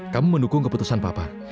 kamu mendukung keputusan papa